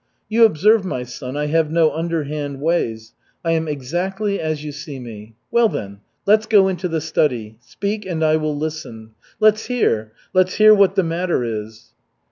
You observe, my son, I have no underhand ways. I am exactly as you see me. Well, then, let's go into the study. Speak and I will listen. Let's hear, let's hear what the matter is."